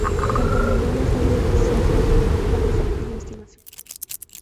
Cuanto menor es el sesgo más exacta es una estimación.